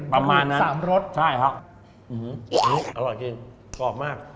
ประมาณนั้นใช่ครับอื้อหืออร่อยจริงกรอบมาก